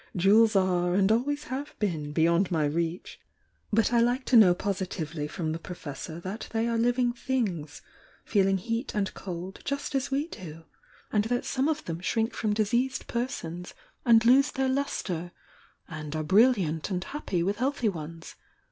Jewels are, and always have been beyond my reach. But I like to know positively from the Professor that they are living things, feel ing heat and cold just as we do, and that some of 227 'Ij: ' r h 1 !:S i m\ 228 THE YOUNG DIANA them shrink from diseased persons and lose their K and are brilliant and happy with healthy ones.